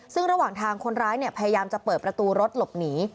ซึ่งระหว่างทางคนร้ายพยายามจะเปิดประตูรถหลบหนี